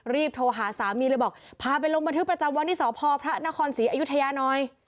รีบโทรหาสามีเลยบอกพาไปลงบันทึกประจำวันที่สพพระนครศรีอยุธยาหน่อย